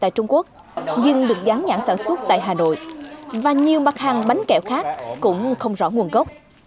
tại trung quốc nhưng được gián nhãn sản xuất tại hà nội và nhiều mặt hàng bánh kẹo khác cũng không rõ nguồn gốc